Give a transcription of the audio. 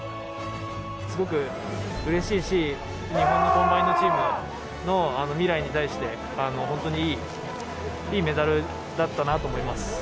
すごくうれしいし、日本のコンバインドチームの未来に対して、本当にいいメダルだったなと思います。